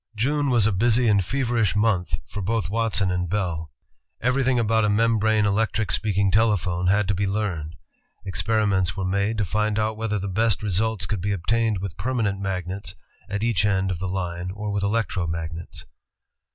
June was a busy and feverish month for both Watson and Bell. Everything about a membrane electric speak ing telephone had to be learned. Experiments were made to find out whether the best results could be obtained with permanent magnets at each end of the line or with electro magnets.